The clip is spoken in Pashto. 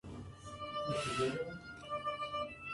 ويل کېږي چي فکري ثبات په ټولنه کي د سولې تضمين کوي.